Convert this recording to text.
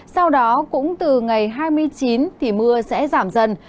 sau đó cũng từ ngày hai mươi chín thì mưa sẽ giảm dần